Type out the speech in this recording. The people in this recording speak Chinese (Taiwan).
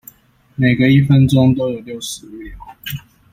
每個一分鐘都有六十秒